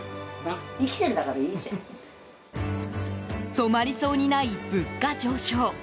止まりそうにない物価上昇。